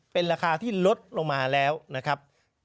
เป็นราคาที่ลดลงมาแล้วนะครับ